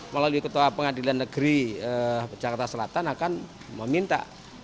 melalui ketua pengadilan negeri jakarta selatan akan meminta